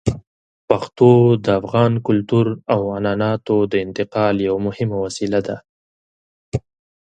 پښتو د افغان کلتور او عنعناتو د انتقال یوه مهمه وسیله ده.